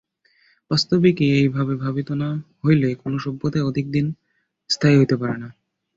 বাস্তবিকই এই ভাবে ভাবিত না হইলে কোন সভ্যতাই অধিক দিন স্থায়ী হইতে পারে না।